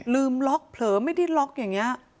ลืมล็อกเผลอไม่ได้ล็อกอย่างนี้